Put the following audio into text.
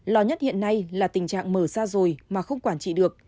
lo nhất hiện nay là tình trạng mở xa rồi mà không quản trị được